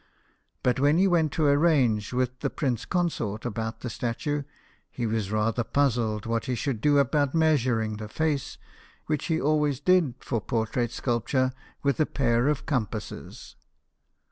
But when he went to irrange with the Prince Consort about the statue, he was rather puzzled what he should do about measuring the face, which he always did for portrait sculpture with a pair of com passes.